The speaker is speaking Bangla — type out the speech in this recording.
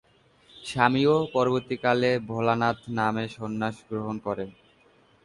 স্বামীও পরবর্তীকালে ভোলানাথ নামে সন্ন্যাস গ্রহণ করেন।